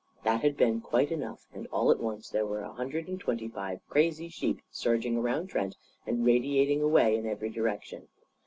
That had been quite enough, and all at once there were a hundred and twenty five crazy sheep surging around Trent and radiating away in every direction.